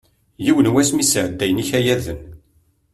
Yiwen wass mi sɛeddayen ikayaden.